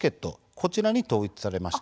こちらに統一されました。